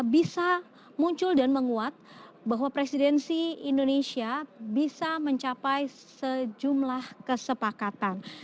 bisa muncul dan menguat bahwa presidensi indonesia bisa mencapai sejumlah kesepakatan